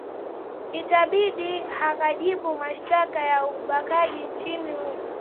itambidi akajibu mashtaka ya ubakaji nchini humo